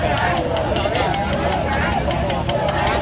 เฮียเฮียเฮีย